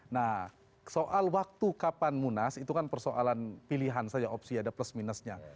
nah soal waktu kapan munas itu kan persoalan pilihan saja opsi ada plus minusnya